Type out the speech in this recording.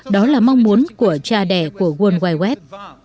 đó là mong muốn của cha đẻ của world wide web